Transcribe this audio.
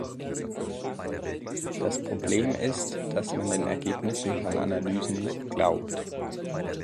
Das Problem ist, dass man den Ergebnissen von Analysen nicht glaubt.